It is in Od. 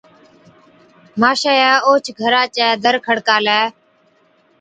ماشائِيئَي اوهچ گھرا چَي دَر کڙڪالَي